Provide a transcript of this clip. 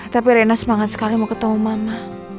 tapi rena semangat sekali mau ketemu mama